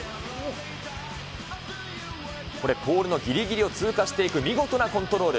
これ、ポールのぎりぎりを通過していく見事なコントロール。